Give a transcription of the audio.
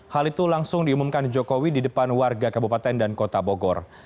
hal itu langsung diumumkan jokowi di depan warga kabupaten dan kota bogor